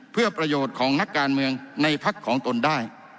เพื่อประโยชน์ของนักการเมืองในพักของตนได้